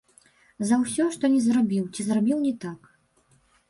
За ўсё, што не зрабіў ці зрабіў не так.